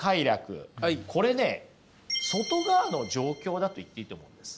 これね外側の状況だと言っていいと思うんです。